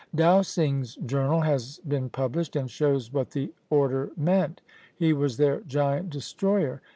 _ Dowsing's Journal has been published, and shows what the order meant! He was their giant destroyer!